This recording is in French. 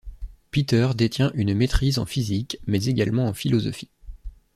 Peter détient une maîtrise en physique mais également en philosophie.